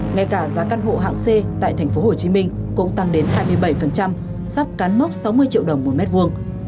ngay cả giá căn hộ hạng c tại tp hcm cũng tăng đến hai mươi bảy sắp cán mốc sáu mươi triệu đồng một mét vuông